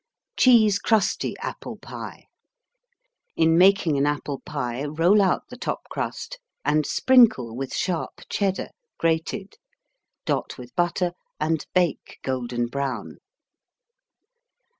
Cheese crusty Apple Pie In making an apple pie, roll out the top crust and sprinkle with sharp Cheddar, grated, dot with butter and bake golden brown.